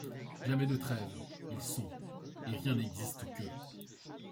Jamais de trêve. Ils sont ; et rien n’existe qu’eux.